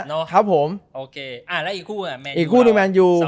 อ่ะแล้วอีกคู่อ่ะ